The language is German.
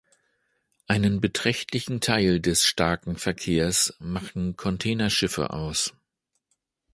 Einen beträchtlichen Teil des starken Verkehrs machen Containerschiffe aus.